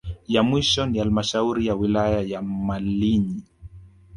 Ya mwisho ni halmashauri ya wilaya ya Malinyi